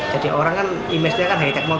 jadi orang kan imesnya kan hitech mall